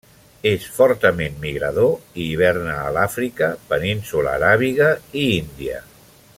És fortament migrador, i hiverna a l'Àfrica, península aràbiga i Índia.